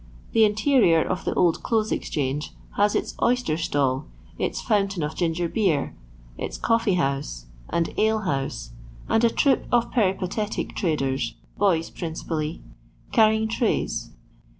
The interior of the Old Clothes Exchange has its oyster stall, its fomitain of ginger beer, its coffee house, and ale house, and a troop of peripatetic traders, boys principally, carrying trays.